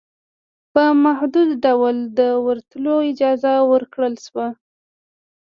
په محدود ډول دورتلو اجازه ورکړل شوه